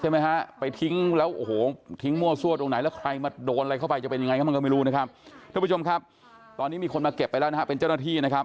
มาเก็บไปแล้วนะครับเป็นเจ้าหน้าที่นะครับ